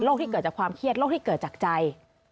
ที่เกิดจากความเครียดโรคที่เกิดจากใจ